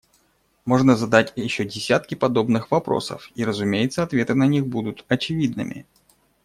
Можно задать еще десятки подобных вопросов, и, разумеется, ответы на них будут очевидными.